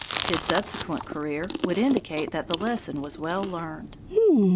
His subsequent career would indicate that the lesson was well learned.